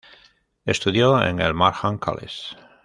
Estudió en el Markham College.